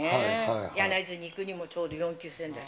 柳津に行くにもちょうど４９線だし。